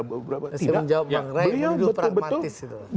saya menjawab bang ray menurut pragmatis itu